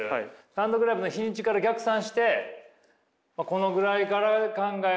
単独ライブの日にちから逆算してこのぐらいから考え始めよう。